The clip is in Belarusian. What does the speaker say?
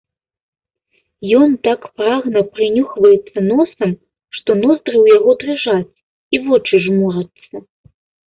Ён так прагна прынюхваецца носам, што ноздры ў яго дрыжаць і вочы жмурацца.